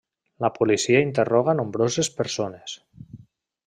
La policia interroga nombroses persones.